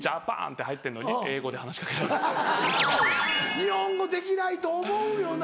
日本語できないと思うよな。